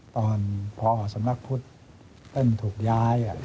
ตอนพอสำนักพุทธเติ้ลถูกย้าย